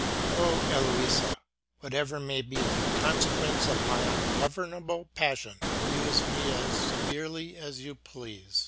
O Eloisa ! whatever may be the conse quence of my ungovernable passion, use me as severely as you please.